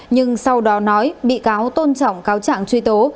nhưng sau đó nói bị cáo tôn trọng cáo trạng truy tố